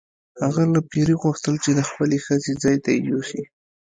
هغه له پیري وغوښتل چې د خپلې ښځې ځای ته یې یوسي.